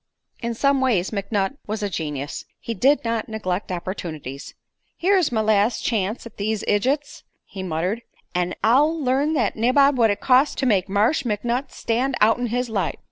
In some ways McNutt was a genius. He did not neglect opportunities. "Here's my las' chance at these idjits," he muttered, "an' I'll learn thet nabob what it costs, to make Marsh McNutt stand out'n his light."